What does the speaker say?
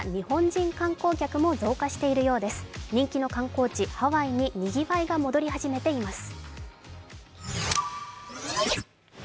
人気の観光地・ハワイににぎわいが戻り始めています。